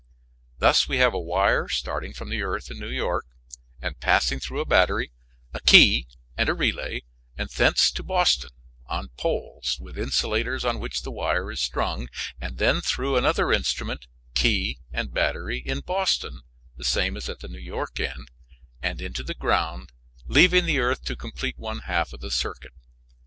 Thus we have a wire starting from the earth in New York and passing through a battery, a key and a relay, and thence to Boston on poles, with insulators on which the wire is strung, and through another instrument, key and battery in Boston, the same as at the New York end, and into the ground, leaving the earth to complete one half of the circuit.